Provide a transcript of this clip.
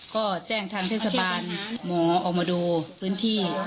ก็แจ้งทางเทศบาลหมอออกมาดูพื้นที่